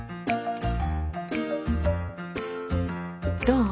どう？